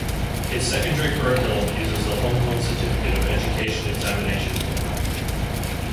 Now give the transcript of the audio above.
Its secondary curriculum uses the Hong Kong Certificate of Education Examination format.